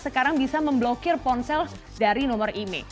sekarang bisa memblokir ponsel dari nomor imei